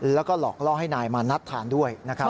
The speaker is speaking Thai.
แล้วก็หลอกล่อให้นายมานัดทานด้วยนะครับ